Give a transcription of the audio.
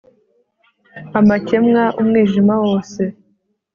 amakemwa, umwijima wose